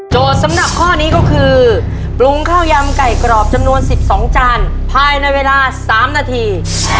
โจทย์สำนักข้อนี้ก็คือปรุงข้าวยามไก่กรอบจำนวนสิบสองจานภายในเวลาสามนาที